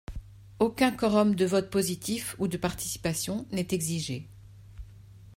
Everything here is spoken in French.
Aucun quorum de vote positif ou de participation n'est exigé.